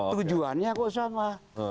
tujuannya kok sama